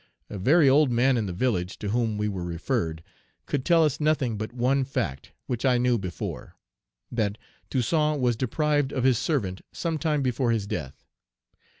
A very old man in the village, to whom we were referred, could tell us nothing but one fact, which I knew before; that Toussaint was deprived of his servant some time before his death.